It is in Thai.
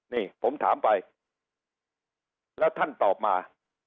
นี่ผมถามไปแล้วท่านตอบมา